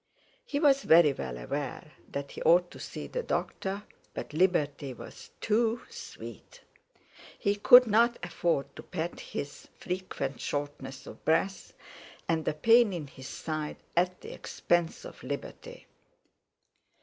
He was very well aware that he ought to see the doctor, but liberty was too sweet. He could not afford to pet his frequent shortness of breath and the pain in his side at the expense of liberty.